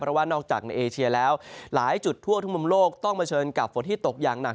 เพราะว่านอกจากในเอเชียแล้วหลายจุดทั่วทุกมุมโลกต้องเผชิญกับฝนที่ตกอย่างหนัก